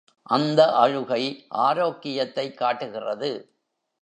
அந்த அழுகை ஆரோக்கியத்தைக் காட்டுகிறது.